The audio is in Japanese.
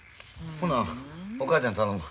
ほなお母ちゃん頼むわ。